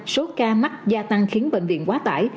số ca mắc gia tăng khiến bệnh viện quá tải